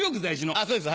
あそうです。